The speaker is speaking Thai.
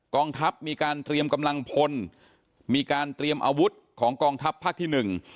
กองทัพมีการเตรียมกำลังพลมีการเตรียมอาวุธของกองทัพภาคที่หนึ่ง